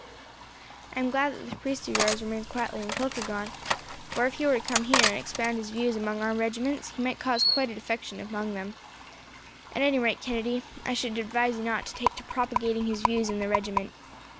"I am glad that this priest of yours remains quietly in Kilkargan, for, if he were to come here, and expound his views among our regiments, he might cause quite a defection among them. At any rate, Kennedy, I should advise you not to take to propagating his views in the regiment.